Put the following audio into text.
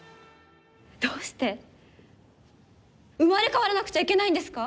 どうして生まれ変わらなくちゃいけないんですか？